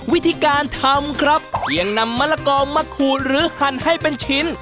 วิธีการทำครับเพียงนำมะละกอมาขูดหรือหั่นให้เป็นชิ้น